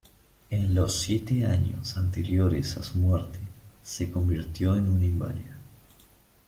En los siete años anteriores a su muerte, se convirtió en una inválida.